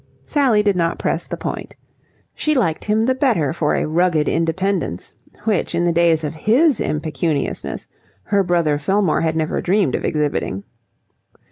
Sally did not press the point. She liked him the better for a rugged independence, which in the days of his impecuniousness her brother Fillmore had never dreamed of exhibiting.